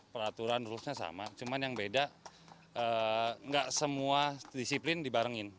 peraturan rulesnya sama cuman yang beda nggak semua disiplin dibarengin